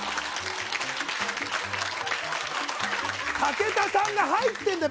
武田さんが入ってるんだよ！